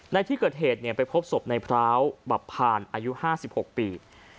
ในที่เกิดเหตุไปพบศพในพร้าวบับพานอายุ๕๖ปี